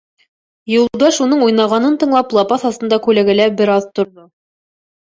Юлдаш, уның уйнағанын тыңлап, лапаҫ аҫтында күләгәлә бер аҙ торҙо.